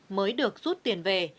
mới được rút tiền về